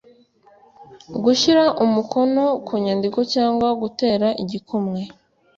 gushyira umukono ku nyandiko cyangwa gutera igikumwe